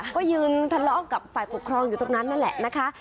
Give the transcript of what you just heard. ก็ยืนทะเลาะกับฝ่ายปกครองอยู่ตรงนั้นนั่นแหละนะคะ